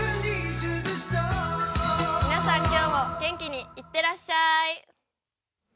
皆さん、今日も元気にいってらっしゃい。